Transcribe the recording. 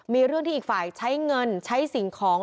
มีเรื่องที่อีกฝ่ายใช้เงินใช้สิ่งของ